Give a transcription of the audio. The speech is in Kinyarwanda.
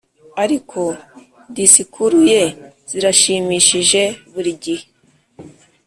ariko disikuru ye ziranshimishije burigihe,